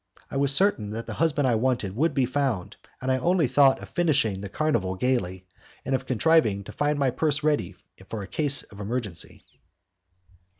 I was certain that the husband I wanted would be found, and I only thought of finishing the carnival gaily, and of contriving to find my purse ready for a case of emergency.